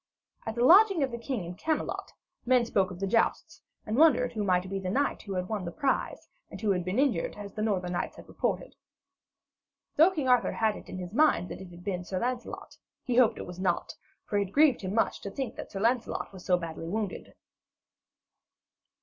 At the lodging of the king in Camelot, men spoke of the jousts, and wondered who might be the knight who had won the prize and who had been injured, as the northern knights had reported. Though King Arthur had it in his mind that it had been Sir Lancelot, he hoped it was not, for it grieved him much to think that Sir Lancelot was so badly wounded.